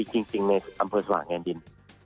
จริงในอำเภาหาแกงดิน